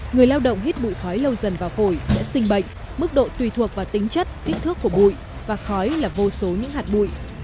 người lao động hít bụi khói lâu dần vào phổi sẽ sinh bệnh mức độ tùy thuộc vào tính chất kích thước của bụi và khói là vô số những hạt bụi